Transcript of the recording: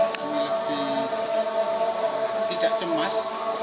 kami lebih tidak cemas